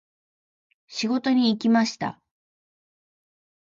仕事に行きました。